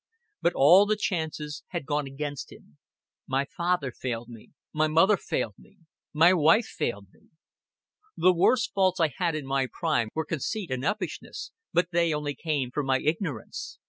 But all the chances had gone against him. "My father failed me, my mother failed me, my wife failed me." "The worst faults I had in my prime were conceit and uppishness, but they only came from my ignorance.